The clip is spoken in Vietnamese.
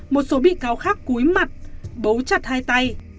một số bị cáo khác cúi mặt bố chặt hai tay